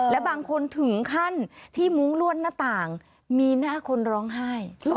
และบางคนถึงขั้นที่มุ้งลวดหน้าต่างมีหน้าคนร้องไห้